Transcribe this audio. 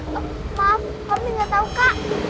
maaf kami gak tau kak